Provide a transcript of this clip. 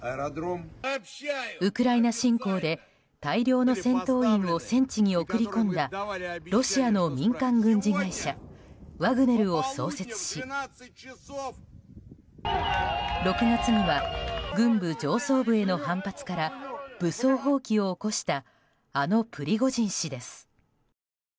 ウクライナ侵攻で大量の戦闘員を戦地に送り込んだロシアの民間軍事会社ワグネルを創設し６月には軍部上層部への反発から武装蜂起を起こしたあのプリゴジン氏です。